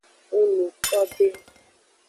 Ng nu ko be.